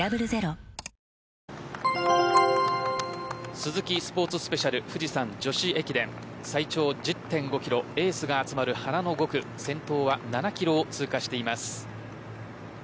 スズキスポーツスペシャル富士山女子駅伝最長１０．５キロエースが集まる華の５区先頭は７キロを通過しています。